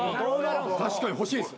確かに欲しいです。